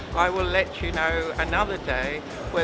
sebelum pesawatnya berangkat